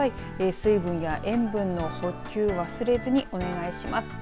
水分や塩分の補給忘れずにお願いします。